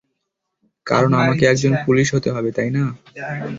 কারণ আমাকে একজন পুলিশ হতে হবে, তাই না।